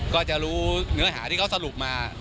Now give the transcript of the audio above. ก็จะรู้เนื้อหาที่เขาสรุปมา